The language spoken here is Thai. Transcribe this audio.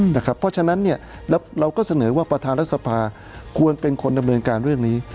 เพราะฉะนั้นเราก็เสนอว่าประธานรัฐสภาควรเป็นคนดำเนินการเรื่องนี้